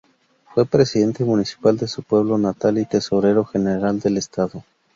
Fue presidente municipal de su pueblo natal y tesorero general del Estado.